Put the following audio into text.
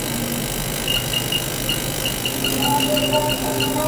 Gobernaba entonces en el Perú el general Óscar R. Benavides.